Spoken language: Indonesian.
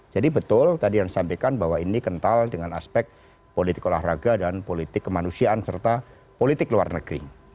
jadi betul tadi yang disampaikan bahwa ini kental dengan aspek politik olahraga dan politik kemanusiaan serta politik luar negeri